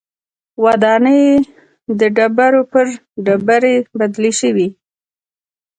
ودانۍ د ډبرو پر ډېرۍ بدلې شوې.